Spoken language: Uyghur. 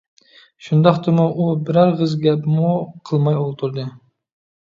شۇنداقتىمۇ ئۇ بىرەر ئېغىز گەپمۇ قىلماي ئولتۇردى.